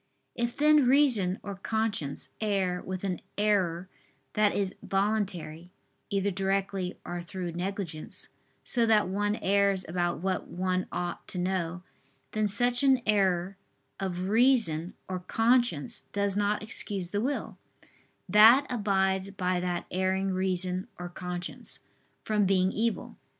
If then reason or conscience err with an error that is voluntary, either directly, or through negligence, so that one errs about what one ought to know; then such an error of reason or conscience does not excuse the will, that abides by that erring reason or conscience, from being evil.